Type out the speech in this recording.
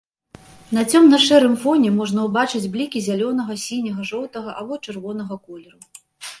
На цёмна-шэрым фоне можна ўбачыць блікі зялёнага, сіняга, жоўтага або чырвонага колеру.